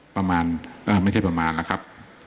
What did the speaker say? ประมาณไม่ใช่ประมาณนะครับ